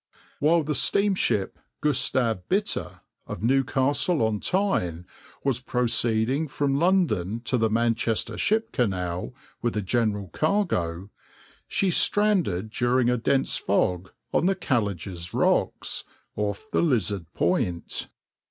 While the steamship {\itshape{Gustav Bitter}} of Newcastle on Tyne was proceeding from London to the Manchester Ship Canal with a general cargo, she stranded during a dense fog on the Callidges Rocks, off the Lizard Point.